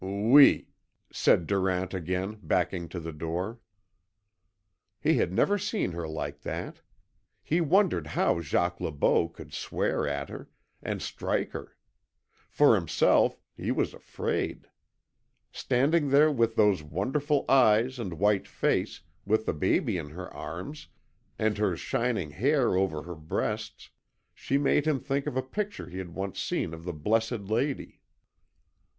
"OUI," said Durant again, backing to the door. He had never seen her like that. He wondered how Jacques Le Beau could swear at her, and strike her. For himself, he was afraid. Standing there with those wonderful eyes and white face, with the baby in her arms, and her shining hair over her breasts, she made him think of a picture he had once seen of the Blessed Lady.